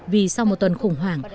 vì sau một tuần khủng hoảng